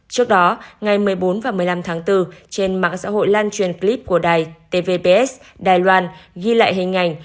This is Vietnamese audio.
trước đó ngày một mươi bốn và một mươi năm tháng bốn trên mạng xã hội lan truyền clip của đài tvps đài loan ghi lại hình ảnh